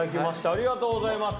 ありがとうございます。